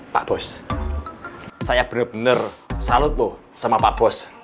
pak bos saya benar benar salut tuh sama pak bos